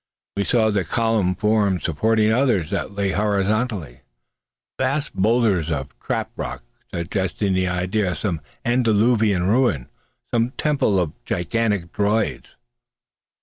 We saw columnar forms supporting others that lay horizontally: vast boulders of trap rock, suggesting the idea of some antediluvian ruin, some temple of gigantic Druids!